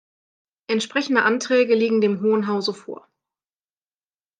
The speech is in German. Entsprechende Anträge liegen dem Hohen Hause vor.